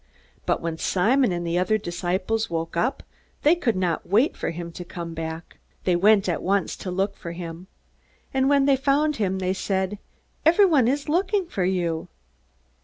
But when Simon and the other disciples woke up, they could not wait for him to come back. They went at once to look for him. And when they had found him, they said, "Everyone is looking for you."